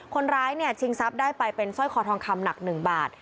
คนร้ายเนี่ยชิงทรัพย์ได้ไปเป็นสร้อยคอทองคำหนัก๑บาท